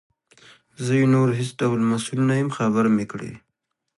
زه یې نور هیڅ ډول مسؤل نه یم خبر مي کړې.